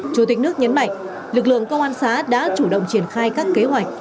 chủ tịch nước nhấn mạnh lực lượng công an xã đã chủ động triển khai các kế hoạch